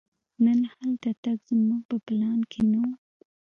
نن هلته تګ زموږ په پلان کې نه و.